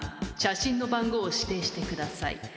写真の番号を指定してください。